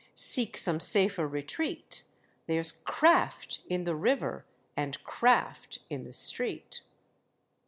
seek some safer retreat: There's craft in the river and craft in the street."